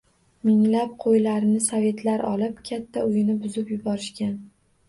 Minglab qo’ylarini sovetlar olib, katta uyini buzib yuborishgan.